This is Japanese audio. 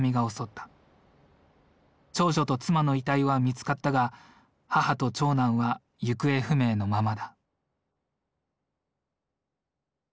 長女と妻の遺体は見つかったが母と長男は行方不明のままだ。